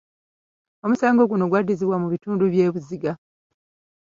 Omusango guno yaguddiza mu bitundu by’e Buziga.